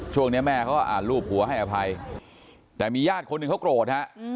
ช่วงนี้แม่เขาก็อ่านรูปหัวให้อภัยแต่มีญาติคนหนึ่งเขาโกรธฮะ